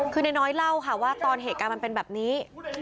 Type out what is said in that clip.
คือนายน้อยเล่าค่ะว่าตอนเหตุการณ์มันเป็นแบบนี้